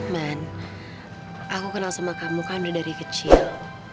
man aku kenal sama kamu kan udah dari kecil